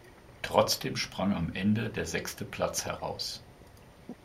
Trotzdem sprang am Ende der sechste Platz heraus.